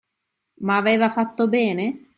Ma aveva fatto bene?